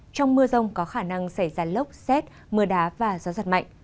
trong mưa rông có khả năng xảy ra lốc xét mưa đá và gió giật mạnh